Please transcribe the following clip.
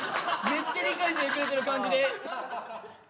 めっちゃ理解してくれてる感じで。